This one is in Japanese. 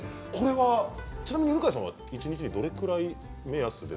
ちなみに犬飼さんは一日どのくらいの目安で？